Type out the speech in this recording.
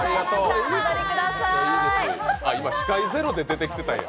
今、視界ゼロで出てきてたんや。